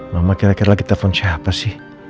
mama kira kira lagi telpon siapa sih